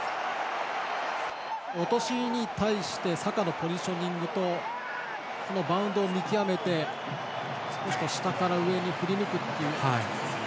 落としに対してサカのポジショニングとバウンドを見極めて少し下から上に振り抜くという。